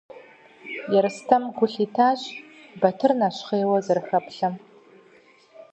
Ерстэм гу лъитащ Батыр нэщхъейуэ зэрыхэплъэм.